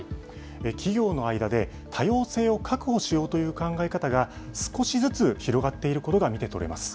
企業の間で、多様性を確保しようという考え方が、少しずつ広がっていることが見て取れます。